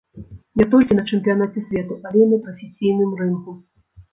Не толькі на чэмпіянаце свету, але і на прафесійным рынгу?